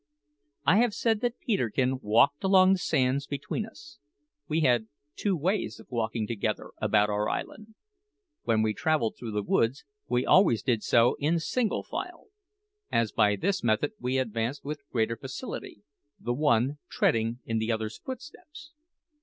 I have said that Peterkin walked along the sands between us. We had two ways of walking together about our island. When we travelled through the woods we always did so in single file, as by this method we advanced with greater facility, the one treading in the other's footsteps.